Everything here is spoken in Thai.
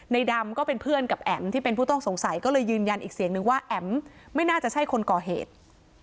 ดำก็เป็นเพื่อนกับแอ๋มที่เป็นผู้ต้องสงสัยก็เลยยืนยันอีกเสียงนึงว่าแอ๋มไม่น่าจะใช่คนก่อเหตุ